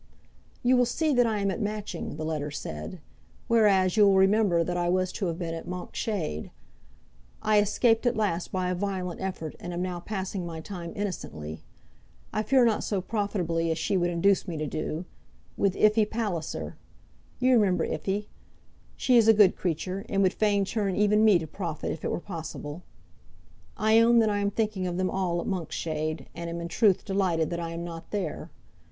"You will see that I am at Matching," the letter said, "whereas you will remember that I was to have been at Monkshade. I escaped at last by a violent effort, and am now passing my time innocently, I fear not so profitably as she would induce me to do, with Iphy Palliser. You remember Iphy. She is a good creature, and would fain turn even me to profit, if it were possible. I own that I am thinking of them all at Monkshade, and am in truth delighted that I am not there.